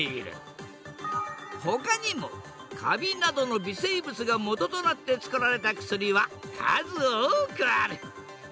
ほかにもカビなどの微生物がもととなってつくられた薬は数多くある。